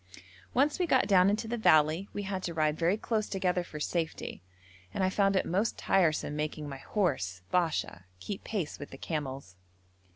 Once we got down into the valley we had to ride very close together for safety, and I found it most tiresome making my horse, Basha, keep pace with the camels.